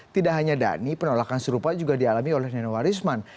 tidak hanya dhani penolakan serupa juga dialami oleh nenowarisman